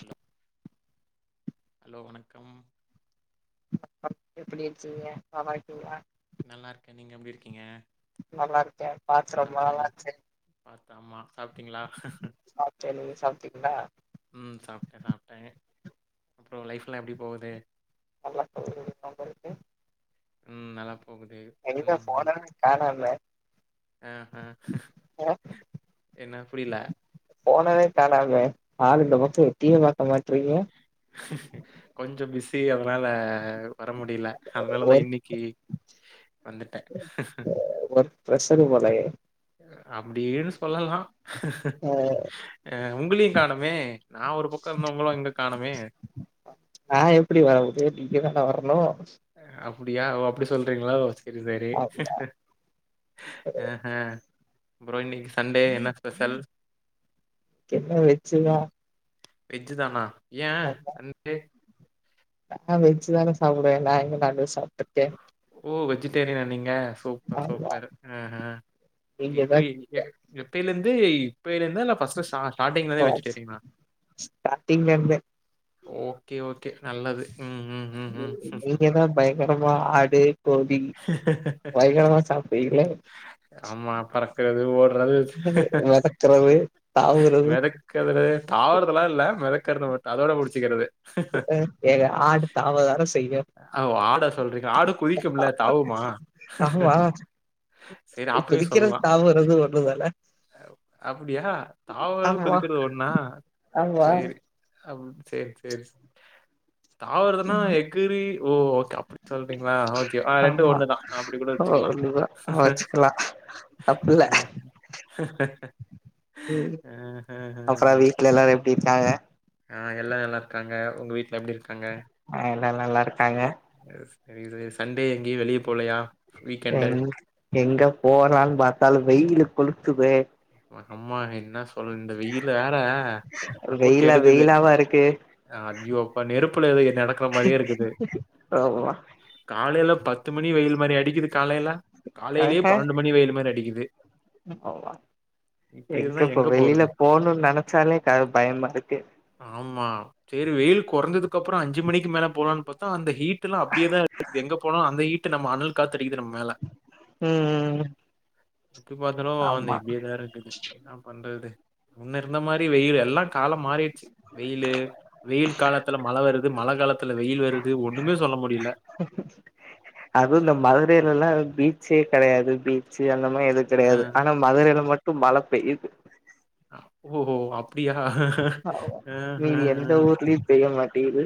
Hello hello வணக்கம் அப் எப்டி இருக்கீங்க பவாய்கிங்லா நல்லா இருக்கேன். நீங்க எப்டி இருக்கீங்க நல்லா இருக்கேன் பாத்து ரொம்ப நாள் ஆச்சு பாத்து ஆமா சாப்ட்டீங்களா சாப்ட்டே நீங்க சாப்ட்டீங்களா உம் சாப்ட்டேன் சாப்ட்டேன் அப்புறம் லைஃப் எல்லாம் எப்டி போகுது எல்லா போகது ஒங்களுக்கு உம் நலம் எங்க போனவே காணோமே ஆஹ் ஹாஹ் அ என்ன புரில போனவே காணாமே ஆளு இந்த பக்கம் எட்டியே பாக்க மாட்றீங்க கொஞ்சம் பிஸி அதனால வர முடி டில அதனாலதான் ஒர்க் இன்னைக்கி வந்துட்டேன் ஒர்க் ப்ரெஷரு போலயே அப்டி இரு சொல்லலாம் அ ஆஹ் உங்களையும் காணமே நான் ஒரு பக்கம் இருந்தவங்களோ எங்க காணோமே நா எப்டி வற்றது நீங்க தான வர்ணு ஆ அப் புடியா [unintelligible] அப்டி சொல்றீங்களா ஓ சேரி சேரி ஆ ஹ புரோ இன்னக்கி சண்டே என்ன ஸ்பெஷல் கென்ன வெச்சுதா வெஜ்ஜு தானா ஏ ஆமா சன்டே நா வெஜ்ஜு தான சாப்டுவே நா எங்க நான் வெஜ் சாப்ட்ருக்கே ஓ வெஜிடேரியனா நீங்க சூப்பர் ஆமா சூப்பர் ஆ ஹ இப்ப நீங்கதா எங் எ எப் ப்பைலந்து இப்பைலந்தா இல்ல ஃபஸ்ட்டு ஸா ஓ ஸ் ஸ்டாட்டிங்லர்ந்தே ஓகே ஓகே நல்லது ம், ம், ம், ம். நீங்க எதாவ் பயங்கரமா ஆடு கோழி பயங்கரமா சாப்டுவிங்ளே ஆமா பறக்கிறது, ஓடுறது, மெதக்றது தாவுறது தாவறதெல்லா இல்ல மெதக்குறது மட் அதோட முடிச்சிக்கிறது அ அ ஏங்க ஆடு தாவதான செய் அ ஒ ஆட சொல்றீங்களா ஆடு குளிக்கும்ல்ல தாவுமா ஆமா செரி ஆப்டியு குதிக்கிறது சொல்லா தாவுறது ஒண்ணுதான அப்டியா தாவறது ஆமா குதிக்கிறது ஒன்னா ஆமா சேரி அப் சேர் சேரி செ தாவறதுன்னா எக் இ ஓ த அப்டி சொல்றீங்ளா ஓகே ஆ ரெண்டு ஆமா ஒண்ணுதா அப்டி கூட வெச்சுக்கல்லா ஒண்ணுதா வச்சுக்கலா தப்பில்ல அ ம் அ ஹ ஹ அப்புறோ அப் வீட்ல எல்லாரு எப்டி இருக்காங்க ஆ எல்லா நல்லாருக்காங்க உங்க வீட் ல எப்டிருக்காங்க எல் நல்லாருக்காங்க செரி செரி சண்டே எங்கியு வெளிய போலையா வீக்கெண்டு. எங் எங்க போலான் பாத்தாலு வெயிலு கொளுத் துதே ம ஹம்மா என்ன ஸ் [unintelligible] இந்த வெயில்ல வேற போட்டு வெயிலா எடுக்குது வெயிலாவா இருக்கு அய்யோ அப்பா நெருப்புல எதுய நடக்கற மாரியே இருக்குது ஆமா காலைல பத்து மணி வெயில் மாரியா அடிக்கிதுக் காலைல காலைலியே ஆஹ பன்னண்டு மணி வெயில் மாரி அடிக்கிது ஆமா எங்க இப்ப வெளில போணுன் நெனைச்சாலே க பயமாருக்கு ஆமா சேரி வெயில் கொறைஞ்சதுக் அப்புறோ அஞ்சு மணிக்கு மேல போலான் பாத்தா அந்த ஹீட் எல்லா அப்டியேதா [inaudible] எங்க போனாலு அந்த ஹீட் நம்ம அனல் காத்தடிக்குது நம்ம மேல உம் ம் ம் எப்டி பாத்தாலு இன்னு இப்டியேதாரு ன்னா பண் [unintelligible] ஒன்னு இருந்த மாதிரி வெயில எல்லா காலம் மாறிட் வெயிலு வெயில் காலத்துல மழ வருது மழ காலத்துல வெயில் வருது ஒண்ணுமே சொல்ல முடியல ச்சே கிடையாது பீச் அந்த எது ஆ. கிடையாது ஆனா மதுரையில் மட்டும் மழ பெய் இது ஓஓ அப்படியா ஹ்ஹஹ டிது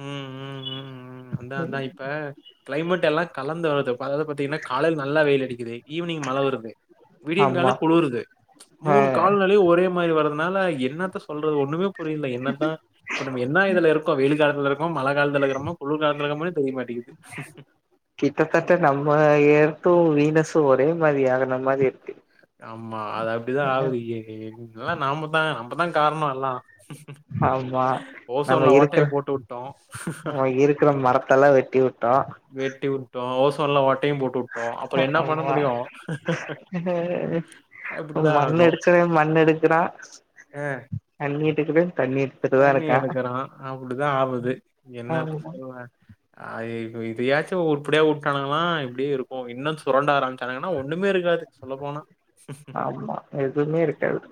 உஹம் உம் உம் உஹம் அதாஅதா இப்ப கிளைமேட்ல்லா கலந்துவலது அதாது பாத்தீங்கன்னா காலைல நல்லா வெயில் அடிக்குது ஈவினிங் மழ வருது விடிய கால ஆமா குளறுது ஆ மூணு காலலையு ஒரே மாதிரி வருறதுனால என்னத்த சொல்றது ஒண்ணுமே புரியல என்னதா இப்பம் என்ன இதுல இருக்கோ வெய காலத்தில இரு மழ காலத்தில்லக்கிறோம்மா கிட்டத்தட்ட நம்ம ஏரத்தும் வீனஸும் ஒரே மாரி ஆகுன மாதிரி இருக்கு ஆம் மா அது அப்படிதா ஆகுது என்னிவே இல்ல நாம தா நம்மதா காரணம் எல்லா ஆமா நம்ம ஓட்டைய இருக்கிற போட்டு விட்டோம். நம்ம இருக்கிற மரத்தல்லா வெட்டி விட்டோ சொல்லவட் டையும் போட்டு விட்டோம் அப்புறம் என்ன பண்ண ஆமா முடியும் இப்படிதான் மண் ஆகும். அடிச்சவ மண் எடுக்கறா அ தண்ணி கேக்குது தண்ணி எடுக்குறா அப்படிதா ஆவுது என்னத்த ஆமா சொல்ல ஆய் இதையாச்சும் உருப்படியா விட்டானங்கல்லா இப்படியே இருக்கும் இன்னும் சுரண்ட ஆரம்பிச்சானாங்கன்னா ஒண்ணமே இருக்காது சொல்ல போனா ஆமா எதுவுமே இருக்காது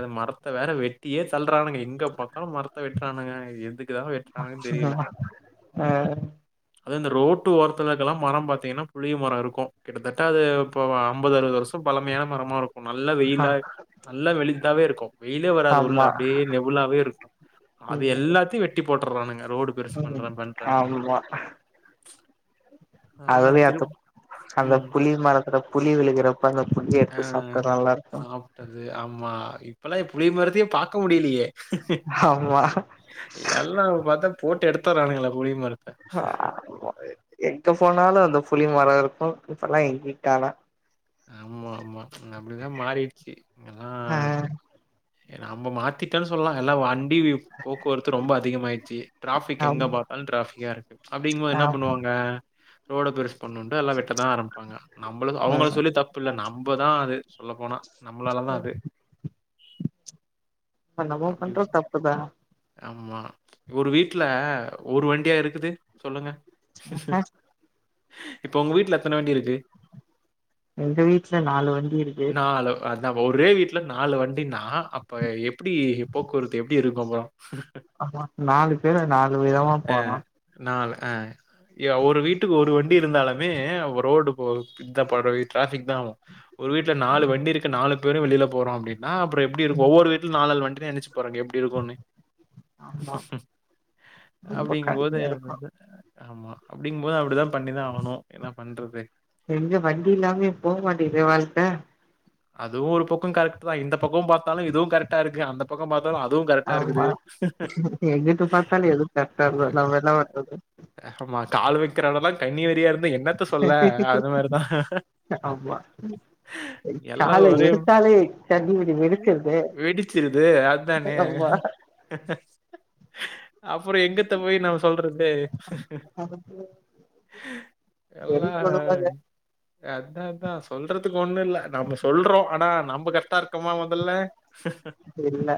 அது மரத்த வேற வெட்டியே தள்றானுங்க இங்க பக்கம் மரத்த வெட் ரானுங்க எதுக் [unintelligible] ஆ அது இந்த ரோட்டு ஓரத்துலக்கெல்லா மரம் பாத்தீங்கன்னா புளிய மரம் இருக்கும் கிட்டத்தட்ட அது அம்பது அறுபது வருஷம் பழமையான மரமா இருக்கும் நல்லா ஆ வெயில நல்லா வெளித்தாவே இருக்கும் வெயிலே வராது உள்ள ஆமா அப்டியே நிவ் வே இருக்கு அது ம் எல்லாத்தையு வெட்டி போட்டறானுங்க ம் ஆமா அதெல்லாம் அதுலயு அத்த திரும் அந்த ம். ச புளி மரத்துல புளி விழுகறப்ப அந்த புளி எடுத்து சாப்ட்டா நல்லா இருக்கு மா இப்பெல்லா புளிய மரத்தயே பாக்க முடியலையே ஆமா எல்லாரு பாத்தா போட்டு எடுத்தறானுங்கல்ல புளிய மர ஆ என் ங்க போனாலு அந்த புளிய மரோ இருக்கு இப்பெல்லா எங்கயு காணொ ஆமா ஆமா ப்ச் அப்டிதா மாறிடுச்சு ஏனா ஆ நம்ம மாத்திட்டோனு சொல்லா எல்லா வன் டிவி போக்குவரத்து ரொம்ப அதிகமாயிருச்சி டிராபிக் எங்க ஆமா பாத்தாலு டிராஃபிக்கா இருக்கு அப்படிங்கபோ ஆ என்ன பண்ணுவாங்க ரோட பெருசு பண்ணுண்டு எல்லா வெட்டதா ஆரம்பிப்பாங்க நம்மள அவங்கள ம் சொல்லி தப்பு இல்ல நம்பதா அது சொல்ல போனா நம்மளாலதா அது அ நம்ம அப்படி பண்றோ தப்புதா ஆமா ஒரு வீட்ல ஒரு வண்டியா இருக்குது சொல்லுங்க இப்ப உங்க வீட்ல எத்தன வண்டி இருக்கு எங்க வீட்ல நாலு வண்டி இருக்கு நம்ம ஒரே வீட்ல நாலு வண்டினா அப்ப எப்டி போக்குவரத்து எப்டி இருக்கு அப்றோ ஆமா நாலு பேரு நாலு விதமா போறோ ஆ ய ஒரு வீட்டுக்கு ஒரு வண்டி இருந்தாலுமே ரோடு போ இதா போடு இது ட்ராபிக் தா ஆவூ ஒரு வீட்ல நாலு வண்டி இருக்கு நாலு பேரும் வெளில போறோ அப்டின் னா அப்றோ எப்டி இருக்கு ஒவ்வொரு வீட்ல நாலேலு வண்டி நெனைச்சு பாருங்க எப்டி இருக்கோனு ஆமா ரொம்ப அப்படிங்கபோது கடுமையா என் இருக்கு ஆமா அப்படிங்கும்போது அப்படிதா எங்க வண்டி இல்லாமயே போ மாட்டேங்குதே வாழ்க அதுவும் ஒரு பக்கோ கரெக்ட்தா இந்த பக்கம் பாத்தாலூ இதுவும் கரெக்டா இருக்கு அந்த பக்கம் பாத் அதுவும் கரெக்டா இருக்குது எங்கட்டு பாத்தாலு எது [unintelligible] நாம என்னா பண்றது கால் வைக்கிற எடெல்லா கண்ணி வெடியா இருக் ஆமா எல்லாம் கால ஒரே எடுத்தாலே கண்ணி வெடி வெடுக்குர்தே ஆமா அஹ அப்புறோ எங்கத்த போய் நாம சொல்றது [unintelligible] எல்லா வெறும் கொடுமங்க அதா அதா சொல்றதுக்கு ஒண்ணு இல்ல நம்ம சொல்றோ ஆனா நம்ம கரக்டா இருக்கோமா மொதல்ல இல்ல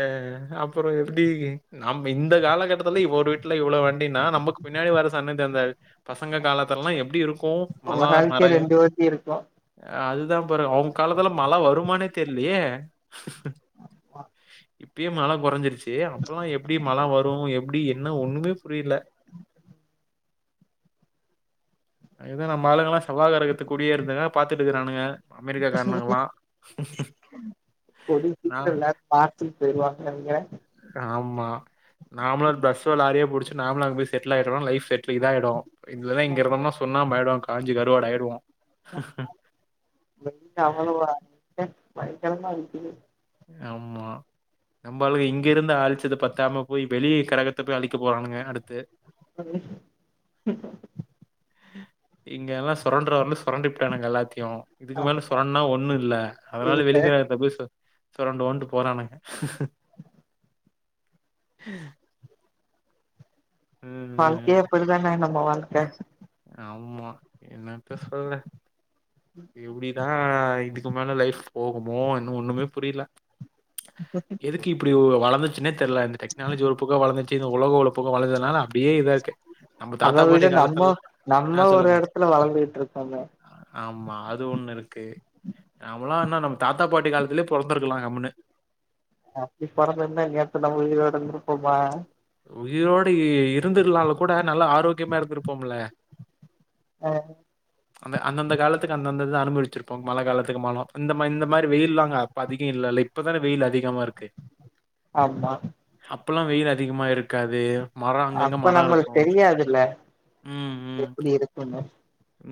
அஹ் அப்புறோ எப்டி நம் இந்த காலகட்டத்துல இவ ஒரு வீட்டுல இவ்வளவு வண்டினா நமக்கு பின்னாடி வர சன்னது அந்த பசங்க காலத்துலல்லா எப்டி இருக்கும் மழ ஒரு ஆளுக்கே மரய ரெண்டு வண்டி இருக்கு அது இன்னுபாரு அவங்க காலத்துல மழ வருமானே தெரிலயே மா இப்பயே மழ கொறஞ்சிருச்சு அப்பல்லா எப்டி மழ வரும் அப்டி என்ன ஒண்ணுமே புரியல அதுதா நம்ம ஆளுங்கல்லா செவ்வா கிரகத்துக்கு குடியேறுதுகா பாத்துட்டுருக்கானுங்க [inaudible] கூடிய நான் சீக்ரோ ஏதாது பாத் [unintelligible] ஆமா நாமலா பஸ்ஸோ லாரியோ புடிச் நாமலு அங்க போய் செட்டில் ஆகிறோ லைப் செட் இதாயிடு இதுலதா இங்க இருக்கம்னா சுண்ணாம்பு ஆயிடு காஞ்சு கருவாடாயாகிடுவோ [unintelligible] பயங்கரமா இருக்குது ஆமா நம்ம ஆளுக இங்க இருந்து அழிச்சது பத்தாம போய் வெளிய கரகத்த போய் அழிக்க போறானுங்க அடுத்து [unintelligible] இங்க எல்லா சுரண்ட்ற வரலு சொரண்டிபுட்டானுங்க எல்லாத்தையு இதுக்கு மேல சுரண்ட்னா ஒண்ணு இல்ல அதனால இல்ல வெளி கிரகத்த போய் சொ சொறண்டுவோன்ட்டு போறானுங்க ஹம் வாழ்க்கையே ம். அப்படிதானே நம்ம வாழ்க் ட ஆமா என்னத்த சொல்ல இப்டிதா இது க்கு மேல லைஃப் போகுமோ இன்னு ஒண்ணுமே புரியல எதுக்கு இப்டி வள பிரச்சனட் தெர்ல இந்த டெக்னாலஜி ஒரு பக்கோ வளந்ச்சு உலக ஒழப்புக்கு வழுந்தனால அப்படியே இதா இருக்க நம்ம தாத்தா அத விட பாட்டி நம்ம காலத்தெல்லா நம்ம ஒரு இடத்துல வளர்ந்துகிட்டு இருக்கோமே ஆமா அது ஒண்ணு இருக்கு நம்மல்லா என்ன நம்ம தாத்தா பாட்டி காலத்திலயே புறந்திருக்கலா கம்முனுு அப்படி புறந்திருந்தா இந்நேரத்துக்கு நம்ம உயிரோட இருந்து இருப்போமா உயிரோட இருந்திருலால கூட நல்லா ஆரோக்கியமா இருந்திருப்போம்ல அ அந்த அந்தந்த காலத்துக்கு அந்தந்த இந்துதா அனுபவச்சிருப்போம் மழை காலத்துக்கு மணம் இந்த இந்த மாரி வெயில்ல்லாங்க அப்ப அதிக இல்லல இப்பதானே வெயில் அதிகமா இருக்கு ஆமா அப்பல்லா வெயில் அதிகமா இருக்காது மரம் அங்கங்க அப்ப மரம் நம்மளுக்கு இருக்கும். தெரியாதுல்ல ம், ம். எப்படி இருக்குன்னு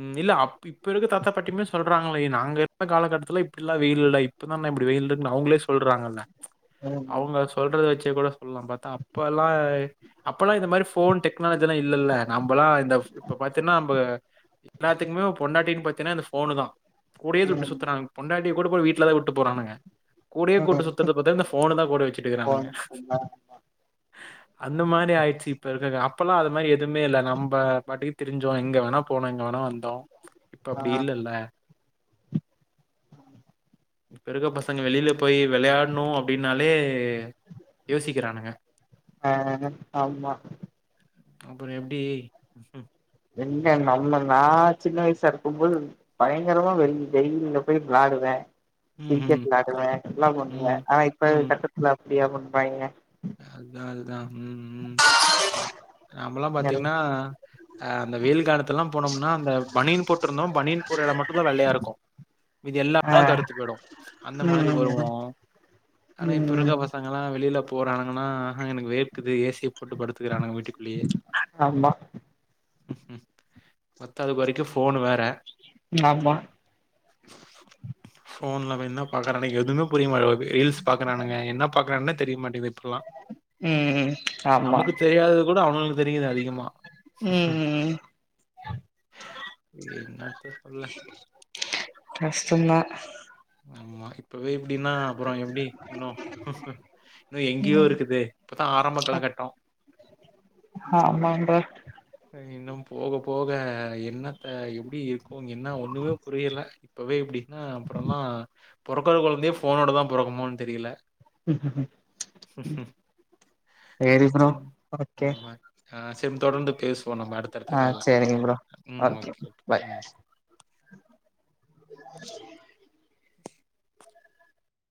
ம் இல்ல அப்ப இப்ப இருக்க தத்தா பட்டிமே சொல்றாங்கல்ல நாங்க இரு காலக்கட்டத்துல இப்படி எல்லாம வெயில் இல்ல இப்பதானே இப்படி வெயில் இருக்குன்னு அவங்களே சொல்றாங்கல்ல ம் அவங்க சொல்றது வெச்சு கூட சொல்லலாம் பாத்தா அப்ப எல்லா அப்பெல்லா இந்த மாதிரி போன் டெக்னாலஜி எல்லா இல்லல்ல நம்மலா இந்த இப்ப பாத்தீன்னா நம்ம எல்லாத்துக்குமே பொண்டாட்டின்னு பாத்தீனா இந்த போனுதா கூடயே த விட்டு ம் சுத்துறான் பொண்டாட்டி [unintelligible] வீடு ல த விட்டு போறானுங்க கூடயே கூட்டு ம் சுத்துறது பாத்தா இந்த போனுதா கூட வெச்சுட்டுக்கிறானுங்க ஃபோன் மட்டுந்தா அந்த மாரி ஆயிடுச்சு இப்ப இருக்க அப்பெல்லா அது மாரி எதுமே இல்ல் நம்ப பாட்டுக்கு திரிஞ்சோ எங்க வேணா போனங்கனோ வந்தோ இப்ப அப்படி ஆ இல்லல்ல இப்ப இருக்க பசங்க வெளியில போய் விளையாடணூ அப்படின்னாலே யோசிக்கிறானுக ஆஹ் ஆமா அப்புறம் எப்படி என்ன நம்ம நா சின்ன வயசா இருக்கும் போது பயங்கரமா வெளி வெயில்ல போய் வெளாடுவே ம் கிரிக்கெட் ம் வெளாடுவேன் எல்லாம் பண்ணுவே ம் ஆனா இப்ப இருக்க கட்டத்துல ப்டியா பண்றாங்க அதா அதுதா ம் ம் ந நம்மல்லா பாத்தீங்னா ஆ அந்த வெயில் காலத்துலலா போனம்னா அந்த பனின் போட்ருந்தோ பனின் போற எடம் மட்டுந்தா வெள்ளயா இருக்கு மீதி எல்லா ஆ எடோ கருத்து போயிடு ம்ச் அந்த மாரி ம் வருவோ ஆனா இப்ப இருக்க ம் பசங்கலா வெளிலப் போறானுங்கன்னா அ ஆ எனக்கு வேர்க்குது ஏ சி யே போட்டு படுத்துக்கிறான வீட்டுக்குள்ளேயே ஆமா உம் உம் பத்தாத கொறைக்கு ஃபோனு வேற ஆமா ஃபோன்ல அவ என்ன பாக்குறானு எதுமே புரியமா ரீல்ஸ் பாக்கறானங்க என்ன பாக்கறானத் தெரிய மா கிளா ம் ஆமா நமக்கு தெரியாதது கூட அவனுளுக்கு தெரியுது அதிகமா ம் என்னாத்த சொல்ல கஷ்டந்தா ஆமா இப்பவே இப்டின்னா அப்பறோ எப்டி இன்னோ இன்னோ எங்யோ ம் இருக்குதே இப்பதா ஆரம்ப கலகட்டோ ஆமாண்டா இன்னும்போக போக எண்ணத்த எப்டி இருக்கோ என்ன ஒன்னுமே புரியல இப்பவே இப்டி என்ன அப்றமா பொறக்குற கொழந்தையே ஃபோனோடதா பொறக்குமோன்னு தெரியல சேரி ப்ரோ அந்த ஓகே பேசுவோ நம்ப அடுத்தடுத ஆ கால்ல சேரிங்க ஓகேங்களா ப்ரோ உம் ஓகே ஓகே உம்